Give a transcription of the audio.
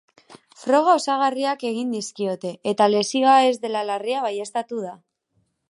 Froga osagarriak egin dizkiote, eta lesioa ez dela larria baieztatu da.